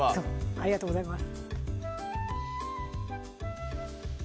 ありがとうございます